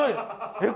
えっ！